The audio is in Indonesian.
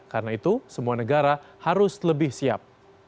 karena itu semua negara harus lebih siap